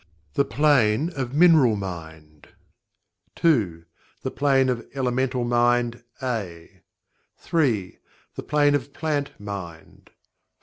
The Plane of Mineral Mind 2. The Plane of Elemental Mind (A) 3. The Plane of Plant Mind 4.